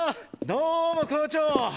どーも校長！